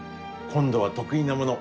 今度は得意なもの